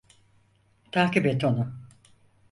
Takip et onu.